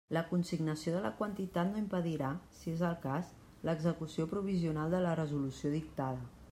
La consignació de la quantitat no impedirà, si és el cas, l'execució provisional de la resolució dictada.